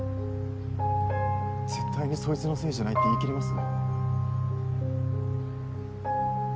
絶対にそいつのせいじゃないって言い切れます？